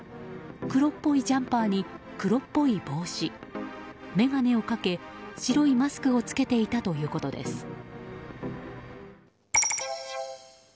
黒っぽいジャンパーに黒っぽい帽子眼鏡をかけ、白いマスクを着けていたということです。